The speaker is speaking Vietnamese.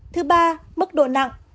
thứ ba mức độ nặng